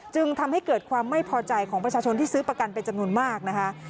จึงทำให้เกิดความไม่พอใจของประชาชนที่ซื้อประกันเป็นจำนวนมากนะคะ